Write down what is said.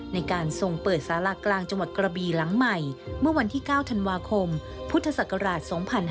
ในการทรงเปิดสารากลางจังหวัดกระบีหลังใหม่เมื่อวันที่๙ธันวาคมพุทธศักราช๒๕๕๙